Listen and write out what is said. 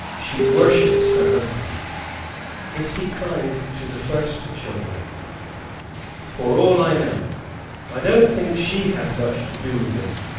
She worships her husband." "Is she kind to the first children?" "For all I know. I don't think she has much to do with them.